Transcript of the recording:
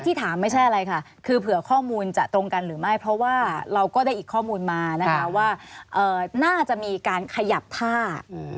ถามไม่ใช่อะไรค่ะคือเผื่อข้อมูลจะตรงกันหรือไม่เพราะว่าเราก็ได้อีกข้อมูลมานะคะว่าน่าจะมีการขยับท่า